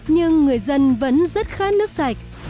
nhưng người dân vẫn rất khát nước sạch